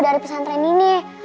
dari pesantren ini